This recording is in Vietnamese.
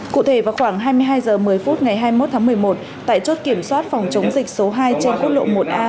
cụ thể vào khoảng hai mươi hai h một mươi phút ngày hai mươi một tháng một mươi một tại chốt kiểm soát phòng chống dịch số hai trên quốc lộ một a